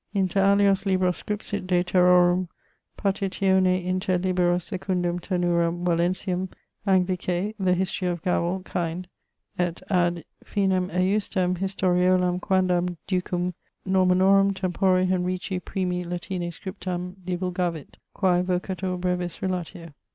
Inter alios libros scripsit de terrarum partitione inter liberos secundum tenuram Wallensium, Anglicé the History of Gavel kind, et ad finem ejusdem historiolam quandam ducum Normannorum tempore Henrici primi Latiné scriptam divulgavit, quae vocatur Brevis relatio....